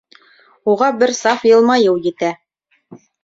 Уға бер саф йылмайыу етә.